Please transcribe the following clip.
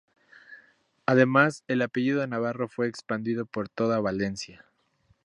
Además el apellido Navarro fue expandido por toda Valencia.